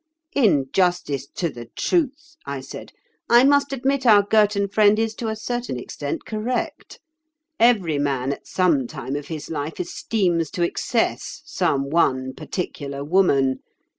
"In justice to the truth," I said, "I must admit our Girton friend is to a certain extent correct. Every man at some time of his life esteems to excess some one particular woman.